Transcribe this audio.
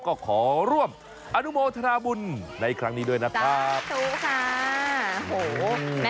ก็ขอร่วมอนุโมทราบุญในครั้งนี้ด้วยนะครับจังพี่สุค่ะ